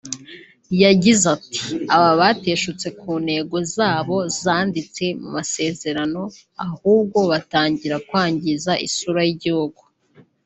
yagize ati “Aba bateshutse ku ntego zabo zanditse mu masezerano ahubwo batangira kwangiza isura y’igihugu